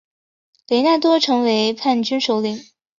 雷纳多成为叛军首领。